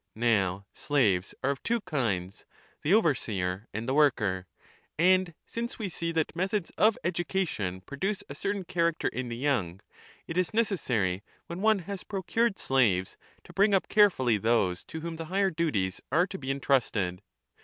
Now slaves are of two kinds, the overseer and the worker. And since we see that methods of education produce a certain character in the young, it is necessary when one has procured slaves to bring up care fully those to whom the higher duties are to be entrusted.